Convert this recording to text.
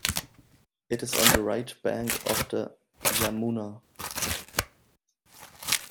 It is on the right bank of the Yamuna.